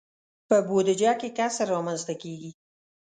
په بودجه کې کسر رامنځته کیږي.